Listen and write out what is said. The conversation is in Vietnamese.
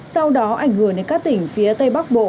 sau đó ảnh hưởng đến các tỉnh phía tây bắc bộ